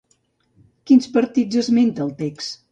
Quins partits esmenta el text?